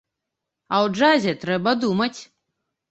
А ў джазе трэба думаць!